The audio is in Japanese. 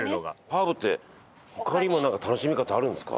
ハーブって他にもなんか楽しみ方あるんですか？